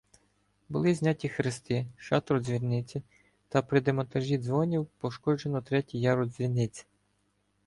Були зняті хрести, шатро дзвіниці, та при демонтажі дзвонів пошкоджено третій ярус дзвіниці.